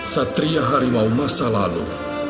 satria hari mau masa lalu